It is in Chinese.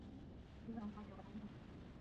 时常发酒疯